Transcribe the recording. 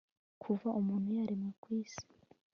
kuva umuntu yaremwa ku isi